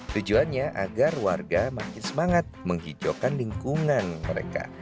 tujuannya agar warga makin semangat menghijaukan lingkungan mereka